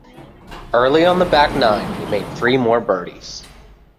Early on the back nine he made three more birdies.